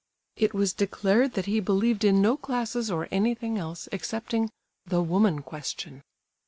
It was declared that he believed in no classes or anything else, excepting "the woman question."